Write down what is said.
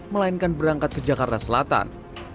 melainkan berangkat ke jakarta selatan